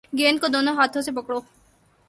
گیند کو دونوں ہاتھوں سے پکڑو